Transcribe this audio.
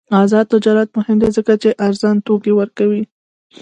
آزاد تجارت مهم دی ځکه چې ارزان توکي ورکوي.